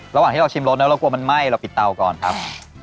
ระหว่างที่เราชิมรสแล้วเรากลัวมันไหม้เราปิดเตาก่อนครับ